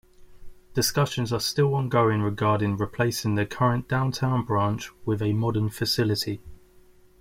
Discussions are still ongoing regarding replacing the current downtown branch with a modern facility.